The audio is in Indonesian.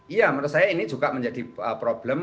iya menurut saya ini juga menjadi problem